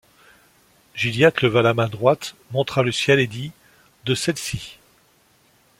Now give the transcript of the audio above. Gilliatt leva la main droite, montra le ciel, et dit :— De celle-ci.